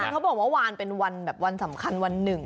เขาบอกว่าวานเป็นวันแบบวันสำคัญวันหนึ่ง